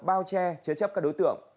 lo che chế chấp các đối tượng